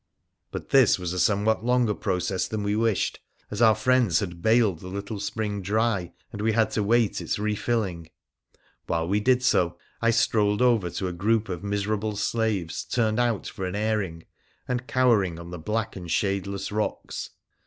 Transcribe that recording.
But this was a somewhat longer process than we wished, as our friends had baled the little spring dry, and we had to wait its refilling. While we did so, I strolled over to a group of miserable slaves turned out for an airing, and cowering on the black and shadeless rocks.